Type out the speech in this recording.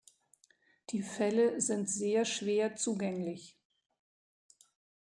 Die Fälle sind sehr schwer zugänglich.